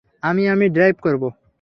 আমি-আমি drive করব।